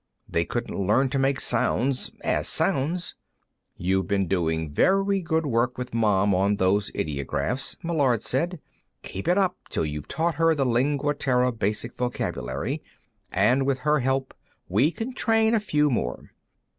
They couldn't learn to make sounds, as sounds." "You've been doing very good work with Mom on those ideographs," Meillard said. "Keep it up till you've taught her the Lingua Terra Basic vocabulary, and with her help we can train a few more.